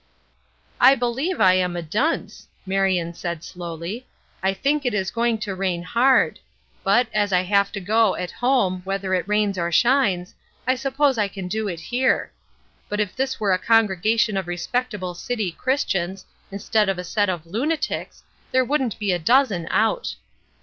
"I believe I am a dunce," Marion said, slowly. "I think it is going to rain hard; but as I have to go, at home, whether it rains or shines, I suppose I can do it here. But if this were a congregation of respectable city Christians, instead of a set of lunatics, there wouldn't be a dozen out."